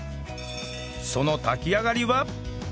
その炊き上がりは？